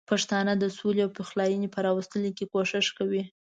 پښتانه د سولې او پخلاینې په راوستلو کې کوښښ کوي.